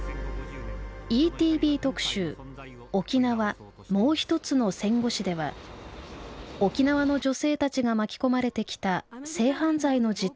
ＥＴＶ特集「沖縄もうひとつの戦後史」では沖縄の女性たちが巻き込まれてきた性犯罪の実態を伝えました。